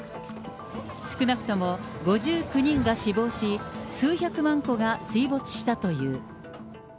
少なくとも５９人が死亡し、数百万戸が水没したという。